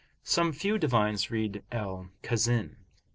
Some few divines read Al Khazin.